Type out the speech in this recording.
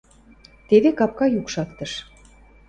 Теве капка юк шактыш.